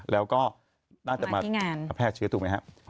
แล้วก็น่าจะมาแพร่เชื้อถูกไหมครับ